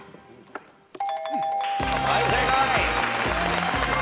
はい正解。